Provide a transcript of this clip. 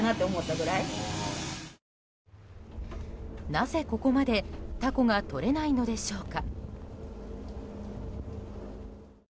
なぜここまでタコがとれないのでしょうか。